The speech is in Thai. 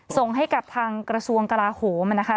ส่งให้กับทางกระทรวงกลาโหมนะคะ